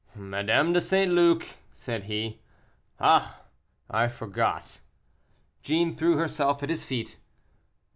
"Madame de St. Luc!" said he. "Ah! I forgot." Jeanne threw herself at his feet.